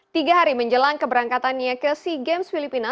tiga hari menjelang keberangkatannya ke sea games filipina